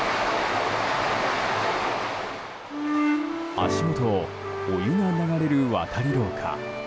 足下をお湯が流れる渡り廊下。